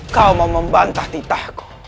kau mau membantah titahku